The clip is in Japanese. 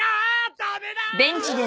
ダメだ！